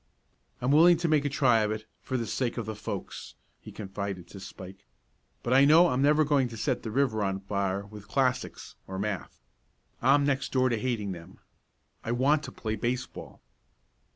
"I'm willing to make a try of it for the sake of the folks," he confided to Spike; "but I know I'm never going to set the river on fire with classics or math. I'm next door to hating them. I want to play baseball."